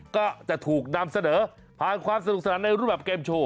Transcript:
ก็จะถูกนำเสนอผ่านความสนุกสนานในรูปแบบเกมโชว